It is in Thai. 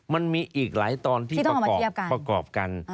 มันมีอีกหลายตอน